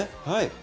はい。